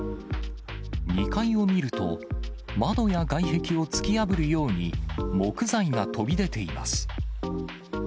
２階を見ると、窓や外壁を突き破るように、木材が飛び出ています。